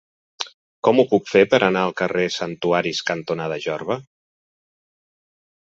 Com ho puc fer per anar al carrer Santuaris cantonada Jorba?